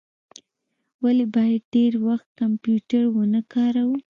ولي باید ډیر وخت کمپیوټر و نه کاروو؟